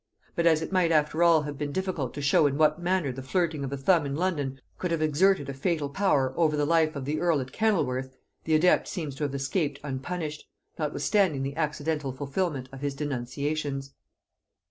But as it might after all have been difficult to show in what manner the flirting of a thumb in London could have exerted a fatal power over the life of the earl at Kennelworth, the adept seems to have escaped unpunished, notwithstanding the accidental fulfilment of his denunciations.